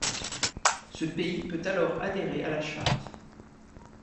Ce pays peut alors adhérer à la Charte.